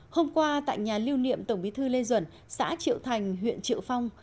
hôm qua tại nhà lưu niệm tổng bí thư lê duẩn xã triệu thành huyện triệu phong